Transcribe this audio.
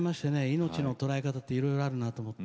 命の捉え方がいろいろあるなと。